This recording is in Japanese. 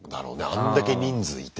あんだけ人数いてさ。